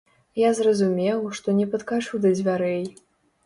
Я зразумеў, што не падкачу да дзвярэй.